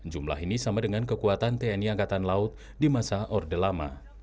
jumlah ini sama dengan kekuatan tni angkatan laut di masa orde lama